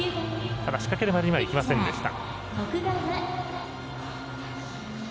ただ、仕掛けるまではいきませんでした。